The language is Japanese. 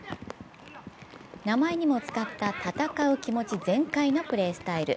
名前にも使った闘う気持ち全開のプレースタイル。